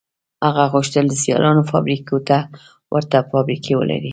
هغه غوښتل د سیالانو فابریکو ته ورته فابریکې ولري